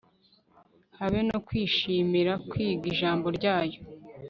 habe no kwishimira kwiga ijambo ryayo